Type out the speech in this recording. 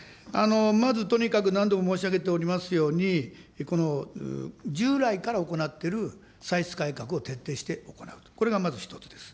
まずとにかく何度も申し上げておりますように、この従来から行ってる歳出改革を徹底して行うと、これがまず１つです。